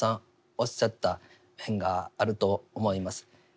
おっしゃった面があると思います。